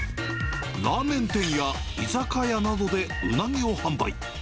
ラーメン店や居酒屋などでうなぎを販売。